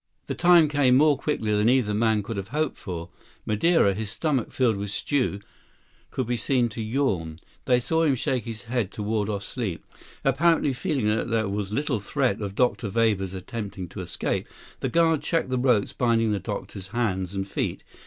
The time came more quickly than either man could have hoped for. Madeira, his stomach filled with stew, could be seen to yawn. They saw him shake his head to ward off sleep. Apparently feeling that there was little threat of Dr. Weber's attempting to escape, the guard checked the ropes binding the doctor's hands and feet.